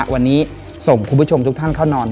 วันนี้ส่งคุณผู้ชมทุกท่านเข้านอน